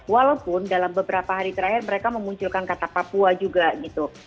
walaupun dalam beberapa hari terakhir mereka memunculkan kata papua juga gitu